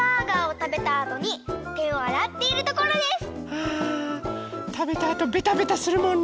たべたあとベタベタするもんね。